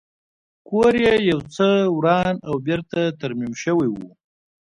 کور یې یو څه وران او بېرته ترمیم شوی و